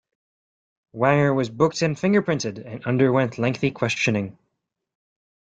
Wanger was booked and fingerprinted, and underwent lengthy questioning.